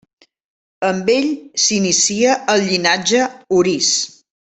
Amb ell s'inicia el llinatge Orís.